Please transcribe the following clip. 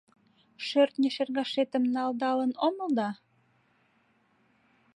Шӧртньӧ шергашетым налдалын омыл да